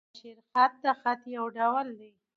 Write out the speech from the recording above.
مناشیر خط؛ د خط یو ډول دﺉ.